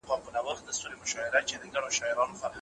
د دې بانک مالي راپورونه د افغان صادراتو په اړه څه معلومات ورکوي؟